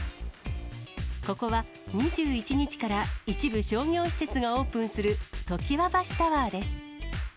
ここで２１日から一部、商業施設がオープンする常盤橋タワーです。